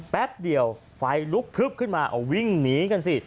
แป๊บเดียวไฟลุกพลึบขึ้นมาเอาวิ่งหนีกันสิ